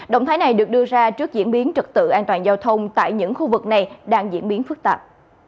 động thái này được đưa ra trước diễn biến trật tự an toàn giao thông tại những khu vực này đang diễn biến phức tạp